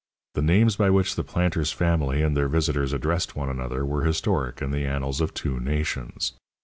The names by which the planter's family and their visitors addressed one another were historic in the annals of two nations.